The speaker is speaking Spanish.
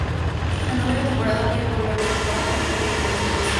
En la novena temporada, April vuelve al hospital, e intentan recuperar su relación.